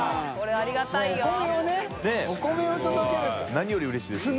何よりうれしいですね。